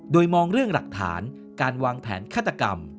โดยมองเรื่องหลักฐานการวางแผนฆาตกรรม